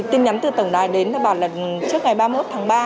tin nhắn từ tổng đài đến bảo là trước ngày ba mươi một tháng ba